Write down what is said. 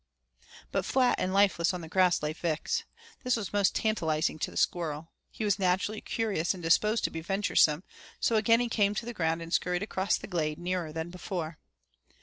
But flat and lifeless on the grass lay Vix. This was most tantilizing to the squirrel. He was naturally curious and disposed to be venturesome, so again he came to the ground and scurried across the glade nearer than before.